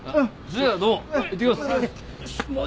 じゃあどうも。